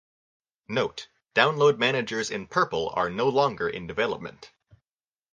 Note: Download managers in purple are no longer in development.